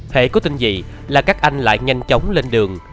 hệ có tin gì là các anh lại nhanh chóng lên đường